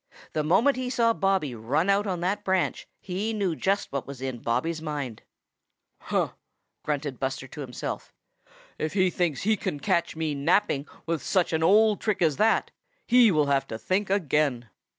The moment he saw Bobby run out on that branch, he knew just what was in Bobby's mind. "Huh!" grunted Buster to himself. "If he thinks he can catch me napping with such an old trick as that, he will have to think again."